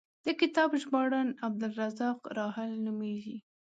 د کتاب ژباړن عبدالرزاق راحل نومېږي.